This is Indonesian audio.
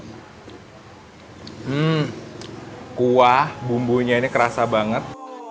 hmm kuah bumbunya ini kerasa banget